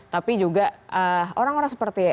tapi juga orang orang seperti